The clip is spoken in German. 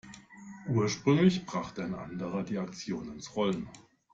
Ursprünglich brachte ein anderer die Aktion ins Rollen.